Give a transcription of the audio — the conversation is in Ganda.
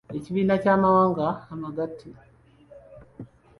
Ekibiina ky’amawanga amagatte.